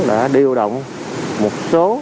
đã điều động một số